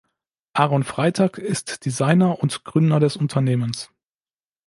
Aaron Freitag ist Designer und Gründer des Unternehmens.